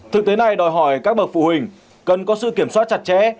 thực tế này đòi hỏi các bậc phụ huynh cần có sự kiểm soát chặt chẽ